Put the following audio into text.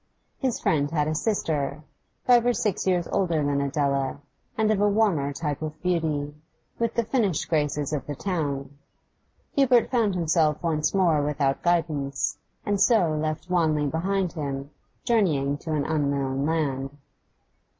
His friend had a sister, five or six years older than Adela, and of a warmer type of beauty, with the finished graces of the town. Hubert found himself once more without guidance, and so left Wanley behind him, journeying to an unknown land.